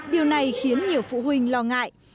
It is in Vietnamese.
điều này khiến nhiều phụ huynh lo ngại